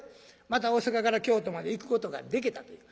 また大坂から京都まで行くことがでけたという。